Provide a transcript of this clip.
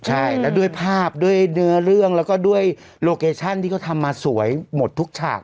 ใช่แล้วด้วยภาพด้วยเนื้อเรื่องแล้วก็ด้วยโลเคชั่นที่เขาทำมาสวยหมดทุกฉาก